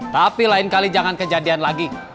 tapi lain kali jangan kejadian lagi